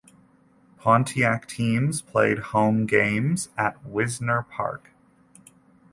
Pontiac teams played home games at Wisner Park.